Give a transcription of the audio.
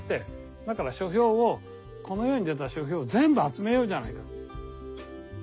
だから書評をこの世に出た書評を全部集めようじゃないか。